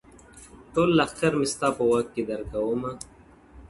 ټول لښکر مي ستا په واک کي درکومه!!